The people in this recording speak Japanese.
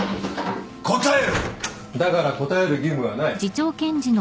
・だから答える義務はない。